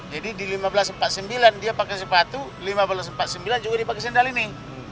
jadi di seribu lima ratus empat puluh sembilan dia pakai sepatu seribu lima ratus empat puluh sembilan juga dipakai sendal ini